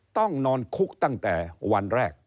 ต้องนอนคุกตั้งแต่วันแรก